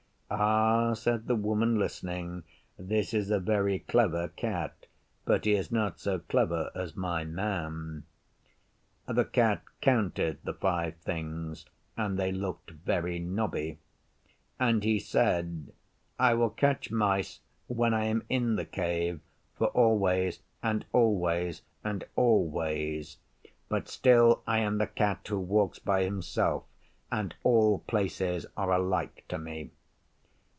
'Ah,' said the Woman, listening, 'this is a very clever Cat, but he is not so clever as my Man.' The Cat counted the five things (and they looked very knobby) and he said, 'I will catch mice when I am in the Cave for always and always and always; but still I am the Cat who walks by himself, and all places are alike to me.